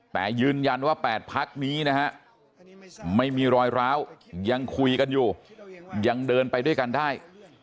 แต่ยืนยันว่า๘พักนี้นะฮะไม่มีรอยร้าวยังคุยกันอยู่ยังเดินไปด้วยกันได้